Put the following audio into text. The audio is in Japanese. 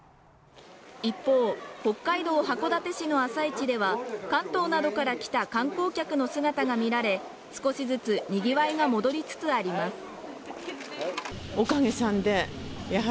一方北海道函館市の朝市では関東などから来た観光客の姿が見られ少しずつにぎわいが戻りつつあります